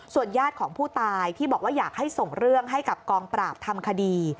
ญาติของผู้ตายที่บอกว่าอยากให้ส่งเรื่องให้กับกองปราบทำคดี